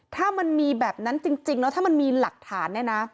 ถ้ามันมีแบบนั้นจริงแล้วถ้ามันมีหลักฐานเนี่ยนะ